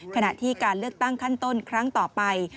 ขณะที่การเลือกตั้งขั้นต้นครั้งต่อไป